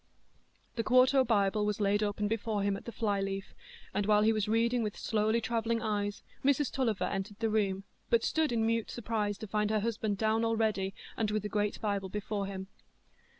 The quarto Bible was laid open before him at the fly leaf, and while he was reading with slowly travelling eyes Mrs Tulliver entered the room, but stood in mute surprise to find her husband down already, and with the great Bible before him.